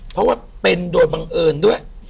เพราะว่าเป็นโดยบังเอิญด้วย